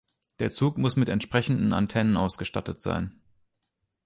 Der Zug muss mit entsprechenden Antennen ausgestattet sein.